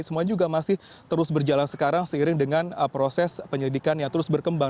semuanya juga masih terus berjalan sekarang seiring dengan proses penyelidikan yang terus berkembang